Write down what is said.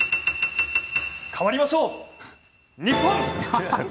変わりましょう、日本！